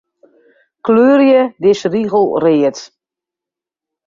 Kleurje dizze rigel read.